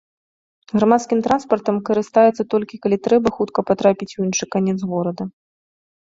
Грамадскім транспартам карыстаецца толькі калі трэба хутка патрапіць у іншы канец горада.